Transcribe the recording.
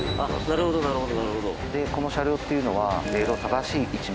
なるほどなるほど。